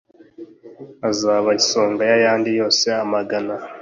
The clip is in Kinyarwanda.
uzaba isonga y'ayandi yose amagana,